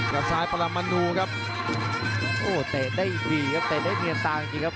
กับซ้ายปรมนูครับโอ้เตะได้อีกทีครับเตะได้เนียนตาจริงจริงครับ